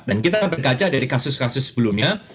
dan kita berkaca dari kasus kasus sebelumnya